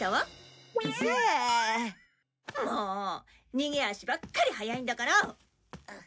逃げ足ばっかり速いんだから。